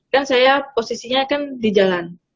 kan saya posisinya kan di jalan